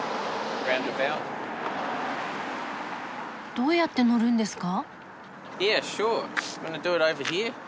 どうやって乗るんですか？